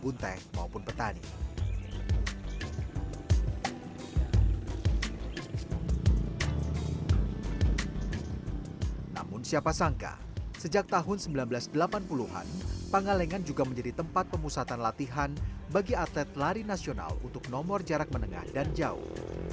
punte maupun petani namun siapa sangka sejak tahun seribu sembilan ratus delapan puluh an pangalengan juga menjadi tempat pemusatan latihan bagi atlet lari nasional untuk nomor jarak menengah dan jauh